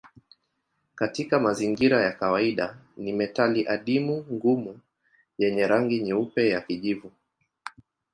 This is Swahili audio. Katika mazingira ya kawaida ni metali adimu ngumu yenye rangi nyeupe ya kijivu.